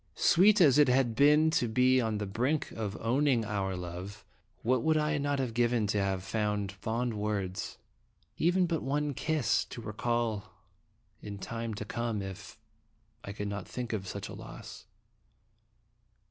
Sweet as it had been to be on the brink of owning our love, what would I not have given now to have some fond words? even but one kiss, to re call in time to come if I could not think of such a loss.